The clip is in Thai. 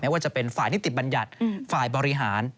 ว่าจะเป็นฝ่ายนิติบัญญัติฝ่ายบริหาร